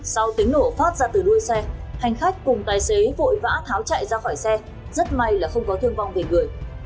sau tiếng nổ phát ra từ đuôi xe hành khách cùng tài xế vội vã tháo chạy ra khỏi xe rất may là không có thương vong về người